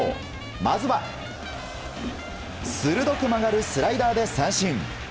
まずは、鋭く曲がるスライダーで三振。